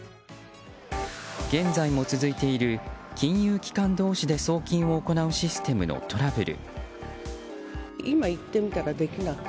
現在も続いている金融機関同士で送金を行うシステムのトラブル。